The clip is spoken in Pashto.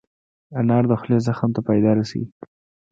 انار د خولې زخم ته فایده رسوي.